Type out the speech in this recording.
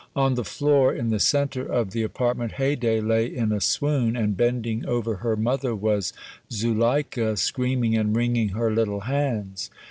On the floor in the centre of the apartment Haydée lay in a swoon, and bending over her mother was Zuleika, screaming and wringing her little hands.